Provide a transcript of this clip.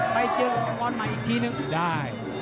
ไปเจอกับครอบครอบครัวใหม่อีกทีนึงได้